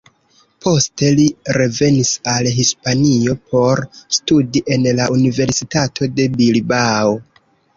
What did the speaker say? Poste, li revenis al Hispanio por studi en la universitato de Bilbao.